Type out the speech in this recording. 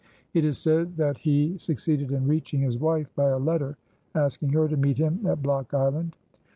It is said that he succeeded in reaching his wife by a letter, asking her to meet him at Block Island.